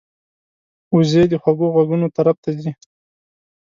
وزې د خوږو غږونو طرف ته ځي